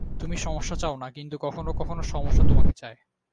তুমি সমস্যা চাও না, কিন্তু কখনো কখনো সমস্যা তোমাকে চায়।